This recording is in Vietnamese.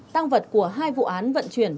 tăng vật của hai vụ án vận chuyển